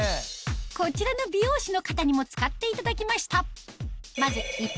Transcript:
こちらの美容師の方にも使っていただきました